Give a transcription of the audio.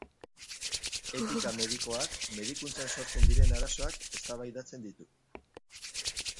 Etika medikoak medikuntzan sortzen diren arazoak eztabaidatzen ditu.